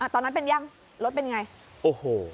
ตอนนั้นเป็นยังรถเป็นยังไง